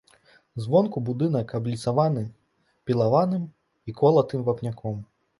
Звонку будынак абліцаваны пілаваным і колатым вапняком.